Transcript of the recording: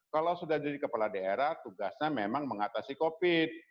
kalau sudah jadi kepala daerah tugasnya memang mengatasi covid